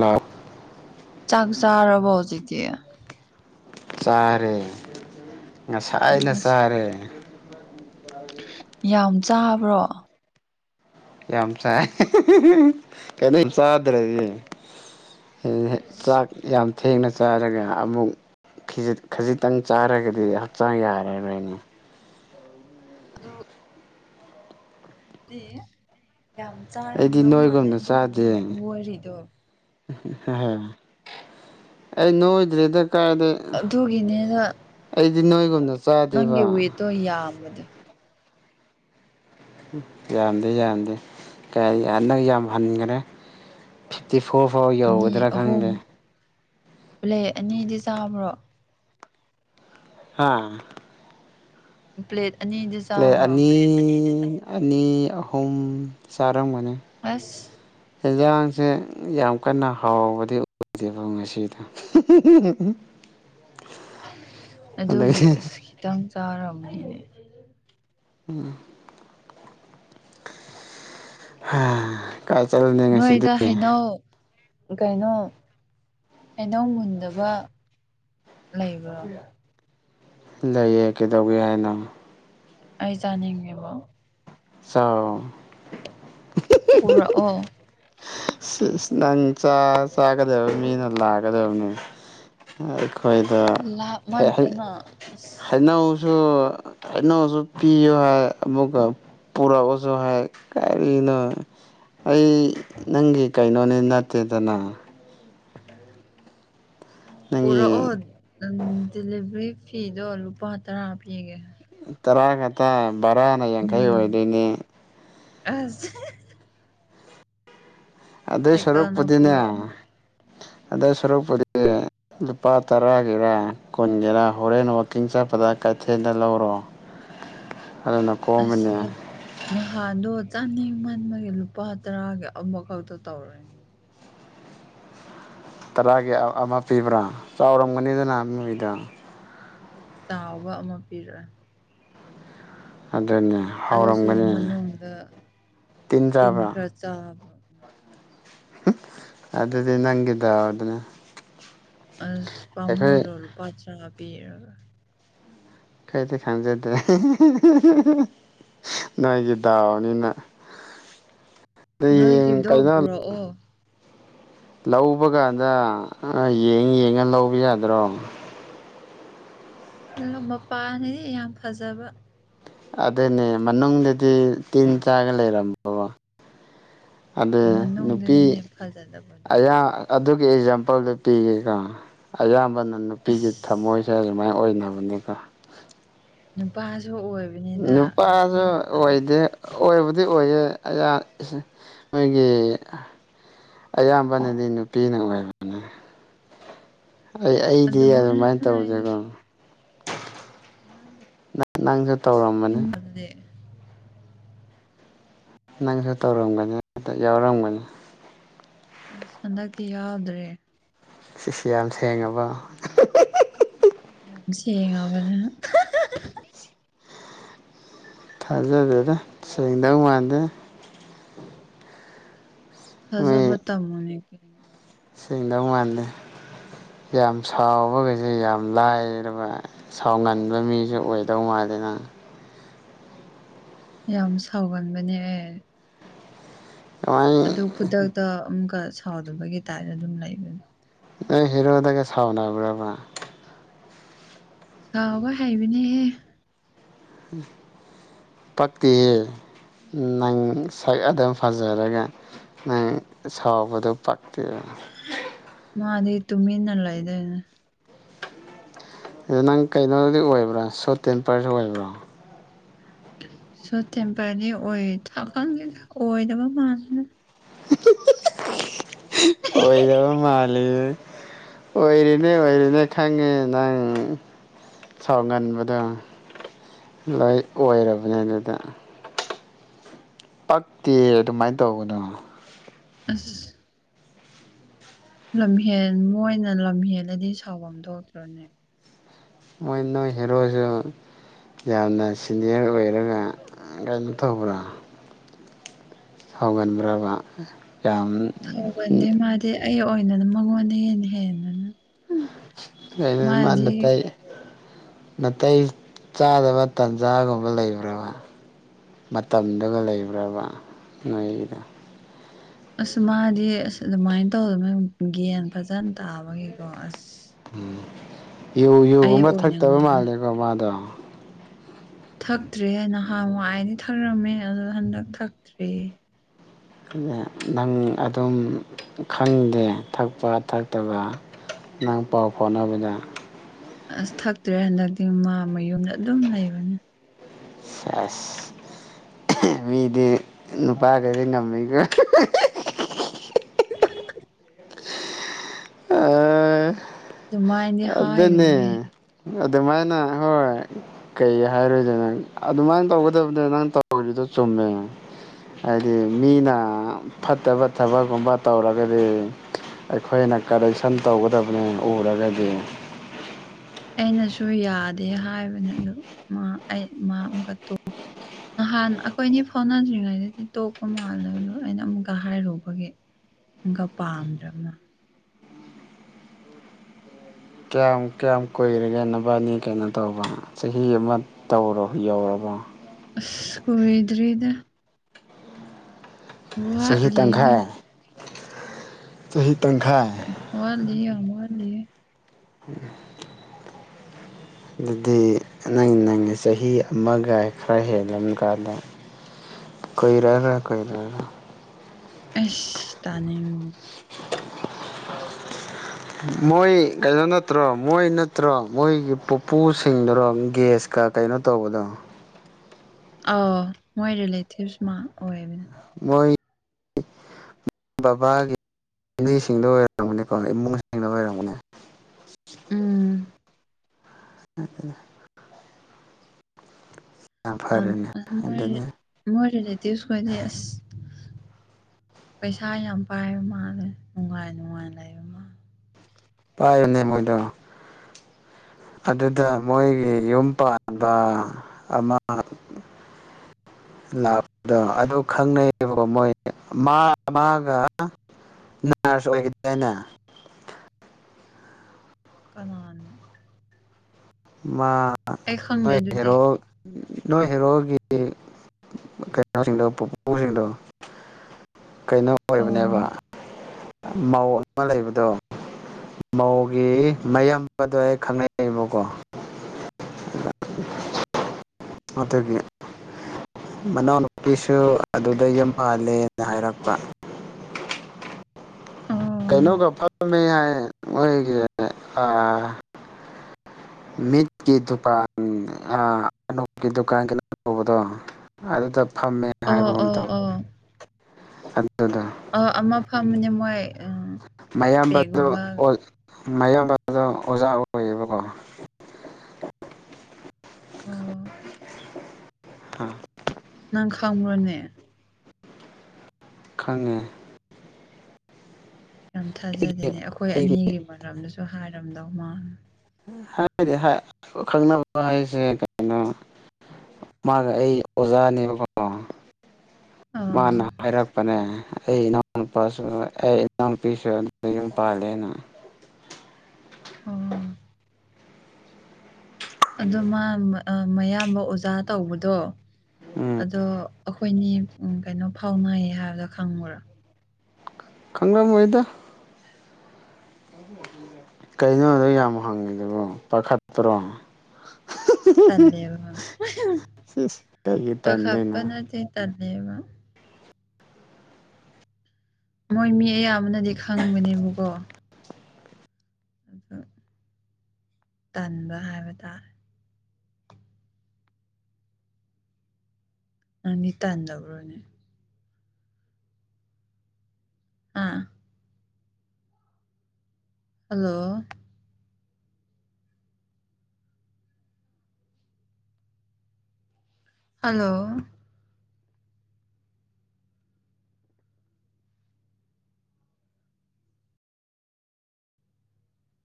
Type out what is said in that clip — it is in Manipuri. ꯂꯞ ꯆꯥꯛ ꯆꯥꯔꯕꯣ ꯍꯧꯖꯤꯛꯇꯤ ꯆꯥꯔꯦ ꯉꯁꯥꯏꯅ ꯑꯁ ꯆꯥꯔꯦ ꯌꯥꯝ ꯆꯥꯕ꯭ꯔꯣ ꯌꯥꯝ ꯆꯥꯏ ꯀꯩꯅꯣꯍꯦ ꯆꯥꯗ꯭ꯔꯗꯤ [inaudible] ꯆꯥꯛ ꯌꯥꯝ ꯊꯦꯡꯅ ꯆꯥꯔꯒ ꯑꯃꯨꯛ ꯈꯖꯤꯛꯇꯪ ꯆꯥꯔꯒꯗꯤ ꯍꯛꯆꯥꯡ ꯌꯥꯔꯔꯣꯏꯅꯦ ꯑꯗꯣ ꯗꯤ ꯌꯥꯝ ꯑꯩꯗꯤ ꯆꯥꯔꯝꯗꯧ ꯃꯥꯜꯂꯦ ꯅꯣꯏꯒꯨꯝꯅ ꯑꯗꯨꯒꯤꯅꯦ ꯆꯥꯗꯦ ꯅꯣꯏꯔꯤꯗꯣ ꯑꯩ ꯅꯣꯏꯗ꯭ꯔꯦꯗ ꯀꯥꯏꯗꯩ ꯑꯗꯨꯒꯤꯅꯦꯅ ꯑꯩꯗꯤ ꯅꯣꯏ [inaudible] ꯅꯪꯒꯤ ꯋꯦꯠꯇꯣ ꯌꯥꯝꯃꯗꯤ ꯎꯝ ꯌꯥꯝꯗꯦ ꯌꯥꯝꯗꯦ [inaudible] ꯅꯪ ꯌꯥꯝ ꯍꯟꯒꯔꯦ ꯐꯤꯚꯇꯤ ꯐꯣꯔ ꯐꯥꯎ ꯑꯅꯤ ꯌꯧꯒꯗ꯭ꯔ ꯑꯍꯨꯝ ꯈꯪꯗꯦ ꯄ꯭ꯂꯦꯠ ꯑꯅꯤꯗꯤ ꯆꯥꯕ꯭ꯔꯣ ꯍꯥ ꯄ꯭ꯂꯦꯠ ꯑꯅꯤꯗꯨ ꯄ꯭ꯂꯦꯠ ꯑꯅꯤ ꯑꯅꯤ ꯑꯍꯨꯝ ꯆꯥꯔꯝꯒꯅꯤ ꯑꯁ ꯏꯟꯖꯥꯡꯁꯦ ꯌꯥꯝ ꯀꯟꯅ ꯍꯥꯎꯕꯗꯤ ꯑꯣꯏꯗꯦꯕ ꯉꯁꯤꯗꯤ [unintelligible] ꯑꯗꯨꯒꯤ ꯑꯗꯒꯤ ꯑꯁ ꯈꯤꯇꯪ ꯆꯥꯔꯝꯅꯤꯅꯦ ꯎꯝ [unintelligible] ꯀꯥꯏ ꯆꯠꯂꯨꯅꯤ ꯉꯁꯤꯗꯤ ꯅꯣꯏꯗ ꯍꯩꯅꯧ ꯀꯩꯅꯣ ꯍꯩꯅꯧ ꯃꯨꯟꯗꯕ ꯂꯩꯕ꯭ꯔꯣ ꯂꯩꯌꯦ ꯀꯩꯗꯧꯒꯦ ꯍꯥꯏꯅꯣ ꯑꯩ ꯆꯥꯅꯤꯡꯉꯦꯕ ꯆꯥꯎ ꯄꯨꯔꯛꯑꯣ ꯁꯦꯁ ꯅꯪ ꯆꯥ ꯆꯥꯒꯗꯕ ꯃꯤꯅ ꯂꯥꯛꯒꯗꯕꯅꯦ ꯑꯩꯈꯣꯏꯗ ꯍꯦꯛ ꯍꯩ ꯂꯥꯞꯃꯟꯗꯅ ꯑꯁ ꯍꯩꯅꯧꯁꯨ ꯍꯩꯅꯧꯁꯨ ꯄꯤꯌꯨ ꯍꯥꯏ ꯑꯃꯨꯛꯀ ꯄꯨꯔꯛꯎꯁꯨ ꯍꯥꯏ ꯀꯔꯤꯅꯣ ꯑꯩ ꯅꯪꯒꯤ ꯀꯩꯅꯣꯅꯤ ꯅꯠꯇꯦꯗꯅ ꯅꯪꯒꯤ ꯄꯨꯔꯛꯑꯣ ꯗꯦꯂꯤꯚꯔꯤ ꯐꯤꯗꯣ ꯂꯨꯄꯥ ꯇꯔꯥ ꯄꯤꯒꯦ ꯇꯔꯥ ꯈꯛꯇ ꯕꯔꯥꯅ ꯌꯥꯡꯈꯩ ꯎꯝ ꯑꯣꯏꯗꯣꯏꯅꯦ ꯑꯁ ꯑꯗꯨꯏ ꯁꯥꯏꯀꯜꯅ ꯁꯔꯨꯛꯄꯨꯗꯤꯅꯦ ꯄꯨꯔꯛꯑꯣ ꯑꯗꯨꯏ ꯁꯔꯨꯛꯄꯨꯗꯤ ꯂꯨꯄꯥ ꯇꯔꯥꯒꯤꯔ ꯀꯨꯟꯒꯤꯔꯥ ꯍꯣꯔꯦꯟ ꯋꯥꯛꯀꯤꯡ ꯆꯠꯄꯗ ꯀꯩꯊꯦꯜꯗ ꯂꯧꯔꯣ ꯑꯗꯨꯅ ꯑꯁ ꯀꯣꯝꯃꯅꯤ ꯂꯨꯞ ꯅꯍꯥꯟꯗꯣ ꯆꯥꯅꯤꯡ ꯃꯟꯕꯒꯤ ꯂꯨꯄꯥ ꯇꯔꯥꯒꯤ ꯑꯃꯈꯛꯇ ꯇꯧꯔꯦ ꯇꯔꯥꯒꯤ ꯑꯝ ꯑꯃ ꯄꯤꯕ꯭ꯔꯥ ꯆꯥꯎꯔꯝꯒꯅꯤꯗꯅ ꯅꯣꯏꯗꯣ ꯆꯥꯎꯕ ꯑꯃ ꯄꯤꯔꯛꯑꯦ ꯑꯗꯨꯅꯦ ꯑꯗꯨꯁꯨ ꯍꯥꯎꯔꯝꯒꯅꯤ ꯃꯅꯨꯡꯗ ꯇꯤꯟ ꯈꯔ ꯆꯥꯕ ꯑꯗꯨꯗꯤ ꯅꯪꯒꯤ ꯗꯥꯎꯗꯅꯦ ꯑꯁ ꯄꯥꯝꯃꯨꯗ꯭ꯔꯣ ꯂꯨꯄꯥ ꯇ꯭ꯔꯥ ꯄꯤꯔꯒ ꯈꯔꯗꯤ ꯈꯪꯗꯦꯗ ꯅꯣꯏꯒꯤ ꯗꯥꯎꯅꯤꯅ ꯑꯗꯨ ꯌꯦꯡ ꯅꯣꯏꯒꯤꯔꯗꯣ ꯀꯩꯅꯣ ꯄꯨꯔꯛꯑꯣ ꯂꯧꯕ ꯀꯥꯟꯗ ꯑꯥ ꯌꯦꯡ ꯌꯦꯡꯉ ꯂꯧꯕ ꯌꯥꯗ꯭ꯔꯣ [unintelligible] ꯃꯄꯥꯟꯗꯗꯤ ꯌꯥꯝ ꯐꯖꯕ ꯑꯗꯨꯅꯦ ꯃꯅꯨꯡꯗꯗꯤ ꯇꯤꯟ ꯆꯥꯔꯒ ꯂꯩꯔꯝꯃꯕꯣ ꯑꯗꯦ ꯅꯨꯄꯤ ꯃꯅꯨꯡꯗꯅꯤꯅꯦ ꯐꯖꯗꯕꯗꯣ ꯑꯌꯥꯝ ꯑꯗꯨꯒꯤ ꯑꯦꯛꯖꯥꯝꯄꯜꯗꯨ ꯄꯤꯒꯦꯀꯣ ꯑꯌꯥꯝꯕꯅ ꯅꯨꯄꯤꯒꯤ ꯑꯁ ꯊꯝꯃꯣꯏ ꯖꯦ ꯑꯗꯨꯃꯥꯏ ꯑꯣꯏꯅꯕꯅꯦ ꯀꯣ ꯅꯨꯄꯥꯁꯨ ꯑꯣꯏ ꯅꯨꯄꯥꯖꯨ ꯑꯣꯏꯗꯦ ꯑꯣꯏꯕꯗꯤ ꯑꯣꯏꯌꯦ ꯑꯌꯥ ꯏꯁꯤ ꯃꯣꯏꯒꯤ ꯑꯌꯥꯝꯕꯅꯗꯤ ꯅꯨꯄꯤꯅ ꯑꯣꯏꯕꯅꯦ ꯑꯩ ꯑꯩꯗꯤ ꯑꯗꯨꯃꯥꯏꯅ ꯑꯗꯨꯃꯥꯏꯟ ꯇꯧꯗꯦꯀꯣ ꯃꯃꯥꯡꯒꯤ ꯅꯪꯖꯨ ꯇꯧꯔꯝꯃꯅꯤ ꯅꯪꯁꯨ ꯇꯧꯔꯝꯒꯅꯤ ꯍꯥꯏꯐꯦꯠ ꯌꯥꯎꯔꯝꯒꯅꯤ ꯑꯁ ꯍꯟꯗꯛꯇꯤ ꯌꯥꯎꯗ꯭ꯔꯦ ꯁꯤꯁ ꯌꯥꯝ ꯁꯦꯡꯉꯕꯣ ꯌꯥꯝ ꯁꯦꯡꯉꯕꯅꯦ ꯊꯥꯖꯗꯦꯗꯥ ꯁꯦꯡꯗꯧ ꯃꯥꯟꯗꯦ ꯊꯥꯖꯕ ꯃꯤ ꯇꯝꯃꯨꯅꯦ ꯀꯩꯅꯣ ꯁꯦꯡꯗꯧ ꯃꯥꯟꯗꯦ ꯌꯥꯝ ꯁꯥꯎꯕꯒꯩꯖꯦ ꯌꯥꯝ ꯂꯥꯏꯔꯕ ꯁꯥꯎꯒꯟꯕ ꯃꯤꯁꯨ ꯑꯣꯏꯗꯧ ꯃꯥꯜꯂꯦ ꯅꯪ ꯌꯥꯝ ꯁꯥꯎꯒꯟꯕꯅꯦ ꯑꯩ ꯀꯃꯥꯏ ꯑꯗꯨ ꯈꯨꯗꯛꯇ ꯑꯃꯨꯛꯀ ꯁꯥꯎꯗꯕꯒꯤ ꯇꯥꯏꯞꯅ ꯑꯗꯨꯝ ꯂꯩꯕꯅꯦ ꯅꯣꯏ ꯍꯦꯔꯣꯗꯒ ꯁꯥꯎꯅꯕ꯭ꯔꯥ ꯕꯥ ꯁꯥꯎꯕ ꯍꯩꯕꯅꯦꯍꯦ ꯍꯨꯝ ꯄꯛꯇꯦꯌꯦ ꯅꯪ ꯁꯛ ꯑꯗꯨꯝ ꯐꯖꯔꯒ ꯅꯪ ꯁꯥꯎꯕꯗꯣ ꯄꯛꯇꯦꯕ ꯃꯥꯗꯤ ꯇꯨꯃꯤꯟꯅ ꯂꯩꯗꯣꯏꯅꯦ ꯑꯦ ꯅꯪ ꯀꯩꯅꯣꯗꯤ ꯑꯣꯏꯕ꯭ꯔꯥ ꯁꯣꯔꯠ ꯇꯦꯝꯄꯔꯖꯨ ꯑꯣꯏꯕ꯭ꯔꯣ ꯁꯣꯔꯠ ꯇꯦꯝꯄꯔꯗꯤ ꯑꯣꯏ ꯊꯀꯟꯗꯦꯗ ꯑꯣꯏꯗꯕ ꯃꯥꯜꯂꯦꯗ ꯑꯣꯏꯗꯕ ꯃꯥꯜꯂꯦꯌꯦ ꯑꯣꯏꯔꯤꯅꯦ ꯑꯣꯏꯔꯤꯅꯦ ꯈꯪꯉꯦ ꯅꯪ ꯁꯥꯎꯒꯟꯕꯗꯣ ꯂꯣꯏ ꯑꯣꯏꯔꯕꯅꯦ ꯑꯗꯨꯗ ꯄꯛꯇꯦꯑꯦ ꯑꯗꯨꯃꯥꯏꯟ ꯇꯧꯒꯅꯣ ꯑꯁ ꯂꯝꯍꯦꯟ ꯃꯣꯏꯅ ꯂꯝꯍꯦꯜꯂꯗꯤ ꯁꯥꯎꯕꯝ ꯊꯣꯛꯇ꯭ꯔꯣꯅꯦ ꯃꯣꯏ ꯅꯣꯢ ꯍꯦꯔꯣꯖꯨ ꯌꯥꯝꯅ ꯁꯤꯅꯤꯌꯔ ꯑꯣꯏꯔꯒ ꯀꯩꯅꯣ ꯇꯧꯕ꯭ꯔꯥ ꯁꯥꯎꯒꯟꯕ꯭ꯔꯕ ꯌꯥꯝ ꯐꯕꯅꯦ ꯃꯥꯗꯤ ꯑꯩ ꯑꯣꯏꯅ ꯃꯉꯣꯟꯗ ꯍꯦꯟꯅ ꯍꯦꯟꯕꯅꯦ꯫ ꯑꯦ ꯃꯅꯇꯥꯏ ꯅꯥꯇꯩ ꯆꯥꯗꯕ ꯇꯟꯖꯥꯒꯨꯝꯕ ꯂꯩꯕ꯭ꯔꯕ꯫ ꯃꯇꯝꯗꯨꯒ ꯂꯩꯕ꯭ꯔꯕ ꯅꯣꯏꯗ꯫ ꯑꯁ ꯃꯥꯗꯤ ꯑꯁ ꯑꯗꯨꯃꯥꯏꯅ ꯇꯧꯗꯅ ꯒꯌꯥꯟ ꯐꯖꯅ ꯇꯥꯕꯒꯤꯀꯣ ꯑꯁ꯫ ꯎꯝ ꯌꯨ ꯑꯩ ꯌꯨꯒꯨꯝꯕ ꯑꯣꯏꯅ ꯊꯛꯇꯕ ꯉꯥꯡꯉꯦ ꯃꯥꯜꯂꯦꯀꯣ ꯃꯥꯗꯣ꯫ ꯊꯛꯇ꯭ꯔꯦ ꯅꯍꯥꯟꯋꯥꯏꯗꯤ ꯊꯛꯔꯝꯃꯦ ꯑꯗꯨ ꯍꯟꯗꯛ ꯊꯛꯇ꯭ꯔꯦ꯫ ꯑꯗꯨꯅ ꯅꯪ ꯑꯗꯨꯝ ꯈꯪꯗꯦ ꯊꯛꯄ ꯊꯛꯇꯕ꯫ ꯅꯪ ꯄꯥꯎ ꯐꯥꯎꯅꯕꯗ꯫ ꯑꯁ ꯊꯛꯇ꯭ꯔꯦ ꯍꯟꯗꯛꯇꯤ ꯃꯥ ꯃꯌꯨꯝꯗ ꯑꯗꯨꯝ ꯂꯩꯕꯅꯦ꯫ ꯁꯦꯁ꯫ ꯃꯤꯗꯤ ꯅꯨꯄꯥꯗꯒꯤ ꯉꯝꯃꯤꯒꯣ꯫ [unintelligible] ꯑꯥ ꯑꯗꯨ ꯃꯥꯏꯅꯗꯤ ꯍꯥꯏꯒꯅꯨꯍꯦ꯫ ꯑꯗꯨꯅꯦ ꯑꯗꯨꯃꯥꯏꯅ ꯍꯣꯏ꯫ ꯀꯩ ꯍꯥꯏꯔꯣꯏꯗ ꯅꯪ ꯑꯗꯨꯃꯥꯏꯅ ꯇꯧꯒꯗꯕꯅꯤ ꯅꯪ ꯇꯧꯔꯤꯗꯣ ꯆꯨꯝꯃꯦ꯫ ꯍꯥꯏꯗꯤ ꯃꯤꯅ ꯐꯠꯇꯕ ꯊꯕꯛꯀꯨꯝꯕ ꯇꯧꯔꯒꯗꯤ꯫ ꯑꯩꯈꯣꯏꯅ ꯀꯔꯦꯛꯁꯟ ꯇꯧꯒꯗꯕꯅꯦ ꯎꯔꯒꯗꯤ꯫ ꯑꯩꯅꯁꯨ ꯌꯥꯗꯦ ꯍꯥꯏꯕꯅꯤ ꯑꯗꯨ ꯑꯩ ꯃꯥ ꯑꯃꯨꯛꯀ ꯇꯣꯛ ꯅꯍꯥꯟ ꯑꯩꯈꯣꯏꯅꯤ ꯐꯥꯎꯅꯗ꯭ꯔꯤꯉꯩꯗꯗꯤ ꯇꯣꯛꯄ ꯃꯥꯜꯂꯦꯗꯣ ꯑꯩꯅ ꯑꯃꯨꯛꯀ ꯍꯥꯏꯔꯨꯕꯒꯤ꯫ ꯅꯪꯒ ꯄꯥꯝꯗ꯭ꯔꯕꯅ꯫ ꯀꯌꯥꯝ ꯀꯌꯥꯝ ꯀꯨꯏꯔꯒꯦ ꯅꯚꯅꯤ ꯀꯩꯅꯣ ꯇꯧꯕ ꯆꯍꯤ ꯑꯃ ꯇꯧꯔꯣ ꯌꯧꯔꯕꯣ꯫ ꯑꯁ ꯀꯨꯏꯗ꯭ꯔꯤꯗ꯫ ꯆꯍꯤ ꯋꯥꯠꯂꯤꯗ ꯇꯪꯈꯥꯏ ꯆꯍꯤ ꯇꯪꯈꯥꯏ꯫ ꯋꯥꯠꯂꯤ ꯌꯥꯝ ꯋꯥꯠꯂꯤꯌꯦ꯫ ꯎꯝ꯫ ꯑꯗꯨꯗꯤ ꯅꯪ ꯅꯪꯒꯤ ꯆꯍꯤ ꯑꯃꯒ ꯈꯔ ꯍꯦꯜꯂꯝ ꯀꯥꯟꯗ ꯀꯨꯏꯔꯔꯣꯢ ꯀꯨꯏꯔꯔꯣꯢ꯫ ꯑꯦꯁ ꯇꯥꯅꯤꯡ꯫ ꯃꯣꯏ ꯀꯩꯅꯣ ꯅꯠꯇ꯭ꯔꯣ ꯃꯣꯏ ꯅꯠꯇ꯭ꯔꯣ ꯃꯣꯏꯒꯤ ꯄꯨꯄꯨꯁꯤꯡꯗꯨꯔꯣ ꯒꯦꯁ ꯀꯥ ꯀꯩꯅꯣ ꯇꯧꯕꯗꯣ꯫ ꯑꯧ ꯃꯣꯏ ꯔꯤꯂꯦꯇꯤꯞꯁ ꯃꯥ ꯑꯣꯏꯕꯅꯤ꯫ ꯃꯣꯏ꯫ ꯕꯕꯥꯒꯤꯃꯤꯁꯤꯡꯗꯣ ꯑꯣꯏꯔꯝꯒꯅꯤꯀꯣ ꯏꯃꯨꯡꯁꯤꯡꯗ ꯑꯣꯏꯔꯝꯒꯅꯦ꯫ ꯎꯝ꯫ ꯑꯗꯨꯗ꯫ ꯌꯥꯝ ꯑ ꯐꯔꯦꯅꯦ ꯃꯣꯏ ꯑꯗꯨꯗꯤ ꯃꯣꯏ ꯔꯤꯂꯦꯇꯤꯚꯁ ꯈꯣꯏꯗꯤ ꯑꯁ꯫ ꯄꯩꯁꯥ ꯌꯥꯝ ꯄꯥꯏꯕ ꯃꯥꯜꯂꯦ ꯅꯨꯡꯉꯥꯏ ꯅꯨꯡꯉꯥꯏꯅ ꯂꯩꯕ ꯃꯥꯜꯂꯦ꯫ ꯄꯥꯏꯕꯅꯦ ꯃꯣꯏꯗꯣ꯫ ꯑꯗꯨꯗ ꯃꯣꯏꯒꯤ ꯌꯨꯝ ꯄꯥꯟꯕ ꯑꯃ [unintelligible] ꯂꯥꯛꯄꯗꯣ ꯑꯗꯨ ꯈꯪꯅꯩꯌꯦꯕ ꯃꯣꯏ ꯃꯥ ꯃꯥꯒ ꯅꯥꯛꯑꯁꯨ ꯑꯣꯏꯈꯤꯗꯦꯅꯦ ꯀꯅꯥꯅꯣ꯫ ꯃꯥ ꯑꯩ ꯈꯪꯗꯦ ꯅꯣꯢ ꯑꯗꯨꯗꯤ ꯍꯦꯔꯣ ꯅꯣꯏ ꯍꯦꯔꯣꯒꯤ ꯀꯩꯅꯣ ꯁꯤꯡꯗꯣ ꯄꯨꯄꯨ ꯍꯤꯡꯗꯣ ꯀꯩꯅꯣ ꯑꯣ ꯑꯣꯏꯕꯅꯦꯕ ꯃꯧ ꯑ ꯃ ꯂꯩꯕꯗꯣ ꯃꯧꯒꯤ ꯃꯌꯥꯝ ꯕꯗꯣ ꯑꯩ ꯈꯪꯅꯩꯌꯦꯕꯀꯣ ꯑꯗꯨꯒꯤ ꯃꯅꯥꯎꯅꯨꯄꯤ ꯁꯨ ꯑꯗꯨꯗ ꯌꯨꯝ ꯄꯜꯂꯦꯅ ꯍꯥꯏꯔꯛꯄ ꯑꯣ ꯀꯩꯅꯣꯒ ꯐꯝ ꯃꯦ ꯍꯥꯏꯌꯦ ꯃꯣꯏꯒꯤ ꯑꯥ ꯃꯤꯠꯀꯤ ꯗꯨꯄꯥꯟ ꯑ ꯑꯅꯣꯞꯀꯤ ꯗꯨꯀꯥꯟ ꯀꯩꯅꯣ ꯇꯧꯕꯗꯣ ꯑꯗꯨꯗ ꯐꯝꯃꯦ ꯑꯣ ꯑꯣ ꯑꯣ ꯑꯗꯨ ꯗꯣ ꯑꯣ ꯑꯃ ꯐꯝꯃꯅꯦ ꯃꯣꯏ ꯑꯪ ꯃꯌꯥꯝꯕ ꯗꯨ ꯑꯦꯠ ꯃꯌꯥꯝꯕ ꯗꯣ ꯑꯣꯖꯥ ꯑꯣꯏꯌꯦꯕꯀꯣ ꯑꯣ ꯐ ꯅꯪ ꯈꯪꯕ꯭ꯔꯣꯅꯦ ꯈꯪꯉꯦ ꯌꯥꯝ ꯑꯩꯒꯤ ꯊꯥꯖꯗꯦꯅꯦ ꯑꯩꯈꯣꯏ ꯑꯩꯒꯤ ꯑꯅꯤꯒꯤ ꯃꯔꯝꯗꯁꯨ ꯍꯥꯏꯔꯝꯗꯧ ꯃꯥꯜ__ ꯍꯥꯏ ꯗꯦ ꯍꯥꯏ ꯈꯪꯅꯕ ꯍꯥꯏꯁꯦ ꯀꯩꯅꯣ ꯃꯥꯒ ꯑꯩ ꯑꯣꯖꯥꯅꯦꯕꯒꯣ ꯑꯥ ꯃꯥꯅ ꯍꯥꯏꯔꯛꯄꯅꯦ ꯑꯩ ꯏꯅꯥꯎ ꯅꯨꯄꯥꯁꯨ ꯑꯩ ꯏꯅꯥꯎ ꯅꯨꯄꯤꯁꯨ ꯑꯗꯨ ꯗ ꯌꯨꯝ ꯄꯥꯜꯂꯦꯅ ꯎꯝ ꯑꯗꯣ ꯃꯥ ꯑ ꯃꯌꯥꯝꯕ ꯑꯣꯖꯥ ꯇꯧꯕꯗꯣ ꯎꯝ ꯑꯗꯣ ꯑꯈꯣꯏꯅꯤ ꯎꯝ ꯀꯩꯅꯣ ꯐꯥꯎꯅꯩ ꯍꯥꯏꯕꯗꯣ ꯈꯪꯃꯔꯥ ꯈꯪ ꯂꯝꯃꯣꯏꯗ ꯀꯩꯅꯣ ꯑꯗꯣ ꯌꯥꯝ ꯍꯪꯉꯤꯗꯨꯕꯣ ꯄꯥꯈꯠꯄ꯭ꯔꯣ ꯇꯜꯂꯦꯕ ꯁꯤꯁ ꯀꯩꯒꯤ ꯄꯥꯈꯠꯄ ꯇꯟꯗꯣꯏꯅꯣ ꯅꯠꯇꯦ ꯇꯜꯂꯦꯕ ꯃꯣꯏ ꯃꯤ ꯑꯌꯥꯝꯕꯅꯗꯤ ꯈꯪꯕꯅꯦꯕꯀꯣ ꯑꯗꯨ ꯇꯟꯕ ꯍꯥꯏꯕ ꯇꯥꯔꯦ ꯅꯪꯗꯤ ꯇꯟꯗꯕ꯭ꯔꯣꯅꯦ ꯑꯥ ꯍꯜꯂꯣ ꯍꯜꯂꯣ